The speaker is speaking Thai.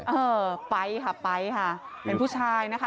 เออป๊ายค่ะป๊ายค่ะเป็นผู้ชายนะคะ